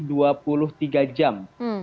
jadi dua puluh tiga jam